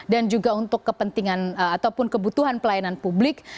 dan juga untuk kepentingan ataupun kebutuhan pelayanan publik